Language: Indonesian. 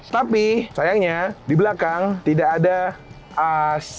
tapi sayangnya di belakang tidak ada as